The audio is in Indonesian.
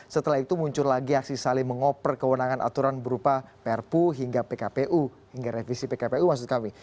setelah itu muncul lagi aksi saling mengoper kewenangan aturan berupa prpu hingga pkpu hingga revisi pkpu maksud kami